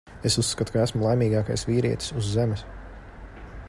Es uzskatu, ka esmu laimīgākais vīrietis uz Zemes.